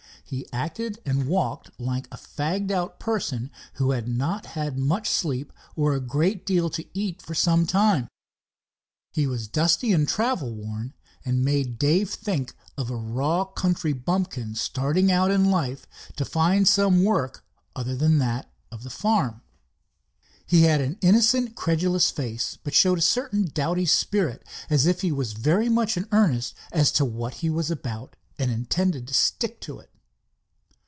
He acted and walked like a fagged out person who had not had much sleep or a great deal to eat for some time. He was dusty and travel worn, and made Dave think of a raw country bumpkin starting out in life to find some work other than that of the farm. He had an innocent, credulous face, but showed a certain doughty spirit, as if he was very much in earnest as to what he was about and intended to stick to it.